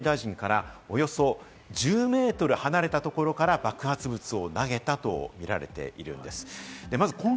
木村容疑者は岸田総理大臣からおよそ１０メートル離れたところから爆発物を投げたとみられているわけです。